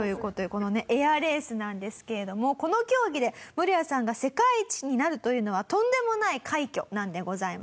このねエアレースなんですけれどもこの競技でムロヤさんが世界一になるというのはとんでもない快挙なんでございます。